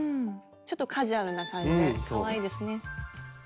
ちょっとカジュアルな感じでかわいいですね。